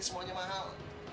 ini semuanya mahal